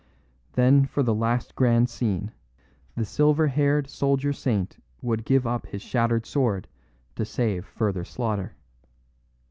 Then for the last grand scene; the silver haired soldier saint would give up his shattered sword to save further slaughter.